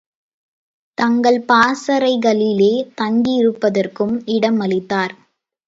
தங்கள் பாசறைகளிலேயே தங்கியிருப்பதற்கும் இடமளித்தனர்.